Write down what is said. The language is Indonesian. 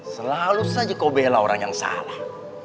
selalu saja kau bela orang yang salah